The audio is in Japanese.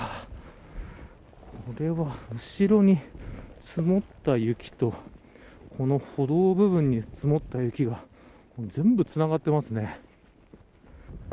これは後ろに積もった雪とこの歩道部分に積もった雪が全部つながっていますね。